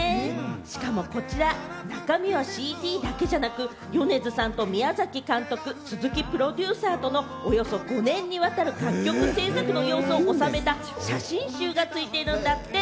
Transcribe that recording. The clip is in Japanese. しかもこちら、中身はＣＤだけじゃなく米津さんと宮崎監督、鈴木プロデューサーとのおよそ５年にわたる楽曲制作の様子を収めた写真集がついているんだって。